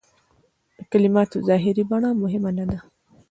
د کلماتو ظاهري بڼه مهمه نه ده.